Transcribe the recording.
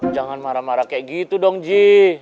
jangan marah marah kayak gitu dong ji